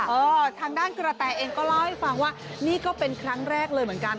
เออทางด้านกระแตเองก็เล่าให้ฟังว่านี่ก็เป็นครั้งแรกเลยเหมือนกัน